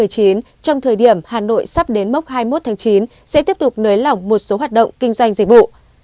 trong thời điểm hà nội sắp đến mốc hai mươi một tháng chín sẽ tiếp tục nới lỏng một số hoạt động kinh doanh dịch vụ